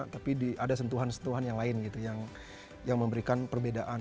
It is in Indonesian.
tapi ada sentuhan sentuhan yang lain gitu yang memberikan perbedaan